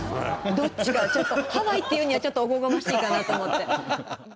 どっちかはちょっとハワイって言うにはちょっとおこがましいかなと思って。